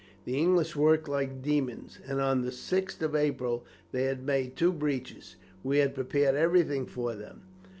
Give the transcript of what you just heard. The English worked like demons, and on the 6th of April they had made two breaches. We had prepared everything for them.